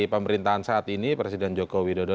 pemerintahan saat ini presiden joko widodo